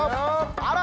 あら！